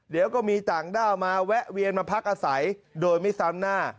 เดี๋ยวก็มีต่างด้าวมาแวะเวียนมาพักอาศัยโดยไม่ซ้ำหน้า